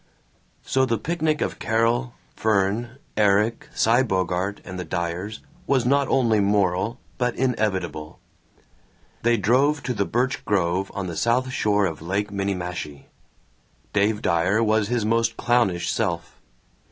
So the picnic of Carol, Fern, Erik, Cy Bogart, and the Dyers was not only moral but inevitable. They drove to the birch grove on the south shore of Lake Minniemashie. Dave Dyer was his most clownish self.